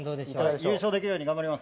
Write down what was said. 優勝できるように頑張ります。